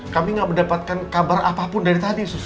kami enggak mendapatkan kabar apapun dari tadi sus